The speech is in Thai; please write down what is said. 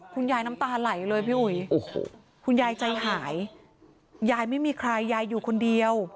น้ำตาไหลเลยพี่อุ๋ยโอ้โหคุณยายใจหายยายไม่มีใครยายอยู่คนเดียว